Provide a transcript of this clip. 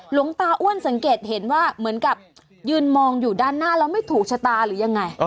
หลวงตาอ้วนสังเกตเห็นว่าเหมือนกับยืนมองอยู่ด้านหน้าแล้วไม่ถูกชะตาหรือยังไง